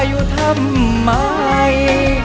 อยู่ทำไม